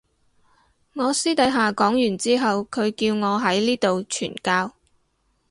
我私底下講完之後佢叫我喺呢度傳教